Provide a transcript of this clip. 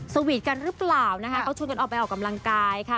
สวีทกันหรือเปล่านะคะเขาชวนกันออกไปออกกำลังกายค่ะ